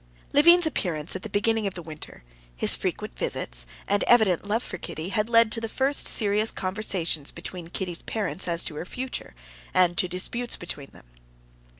Levin's appearance at the beginning of the winter, his frequent visits, and evident love for Kitty, had led to the first serious conversations between Kitty's parents as to her future, and to disputes between them.